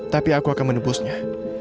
tapi aku akan menebusnya